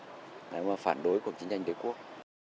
mà phản đối cuộc chiến tranh đế quốc